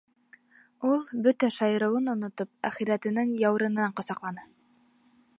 Ул, бөтә шаярыуын онотоп, әхирәтенең яурынынан ҡосаҡланы.